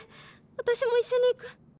私も一緒に逝く！」。